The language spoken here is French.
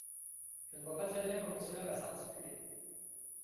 Je ne vois pas très bien comment cela va s’articuler.